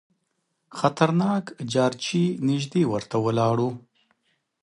خطرناک جارچي نیژدې ورته ولاړ وو.